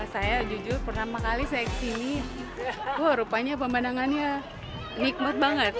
saya jujur pertama kali saya kesini wah rupanya pemandangannya nikmat banget